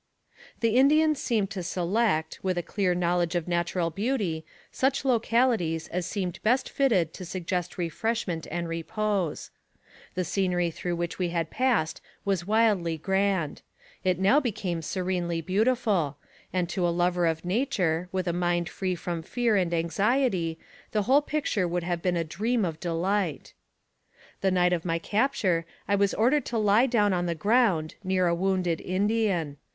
The Indians seemed to select, with a clear knowledge of natural beauty, such localities as seemed best fitted to suggest refreshment and repose. The scenery through which we had passed was wildly grand ; it now became serenely beautiful, and to a lover of nature, with a mind free from fear and anxiety, the whole picture would have been a dream of delight. The night of my capture, I was ordered to lie down on the ground, near a wounded Indian.